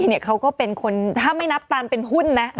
วันดีก็เป็นคนถ้าไม่นับตาลเป็นหุ้นนะ